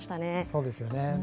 そうですよね。